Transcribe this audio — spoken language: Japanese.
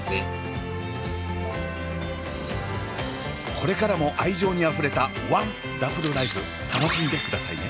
これからも愛情にあふれたワンダフルライフ楽しんでくださいね。